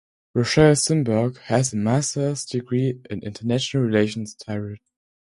Rochelle Zimberg has a master's degree in international relations theoryt.